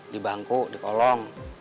di bangku di kolong